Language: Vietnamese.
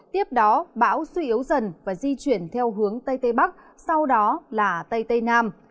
tiếp đó bão suy yếu dần và di chuyển theo hướng tây tây bắc sau đó là tây tây nam